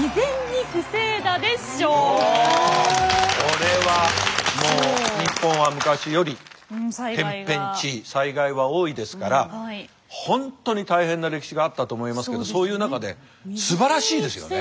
これはもう日本は昔より天変地異災害は多いですから本当に大変な歴史があったと思いますけどそういう中ですばらしいですよね